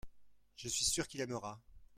je suis sûr qu'il aimera.